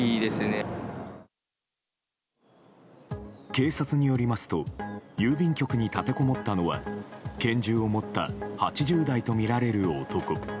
警察によりますと郵便局に立てこもったのは拳銃を持った８０代とみられる男。